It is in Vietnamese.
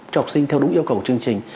cho học sinh theo đúng yêu cầu chương trình